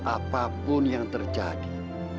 apapun yang terjadi